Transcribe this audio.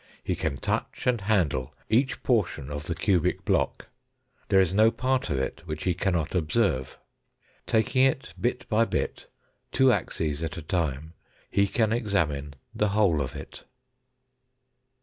He can touch and handle each portion of the cubic block, there is no part, of it which he cannot observe. Taking it bit by bit, two axes at a time, he can examine the whole of it.